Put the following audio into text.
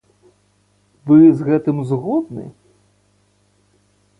Вы з гэтым згодны?